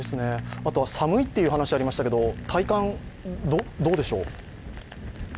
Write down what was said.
あとは寒いという話ありましたが、体感どうでしょう？